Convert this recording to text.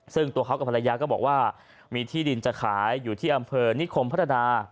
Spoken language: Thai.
ซึ่งตัวเขากับภรรยาก็บอกว่ามีที่ดินจะขายอยู่ที่อำเภอนิคมพัฒนา